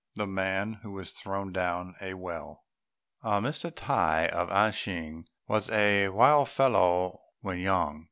THE MAN WHO WAS THROWN DOWN A WELL. Mr. Tai, of An ch'ing, was a wild fellow when young.